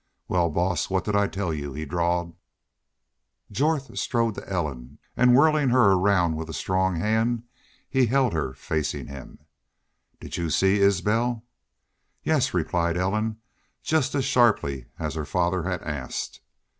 "Wal, boss, what did I tell you?" he drawled. Jorth strode to Ellen, and, whirling her around with a strong hand, he held her facing him. "Did y'u see Isbel?" "Yes," replied Ellen, just as sharply as her father had asked.